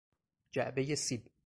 جعبهی سیب